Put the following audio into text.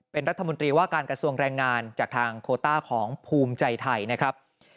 เป็นรัฐมนตรีว่าการกระทรวงแรงงานจากทางโคต้าของภูมิใจไทยนะครับ